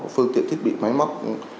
phương tiện thiết bị máy móc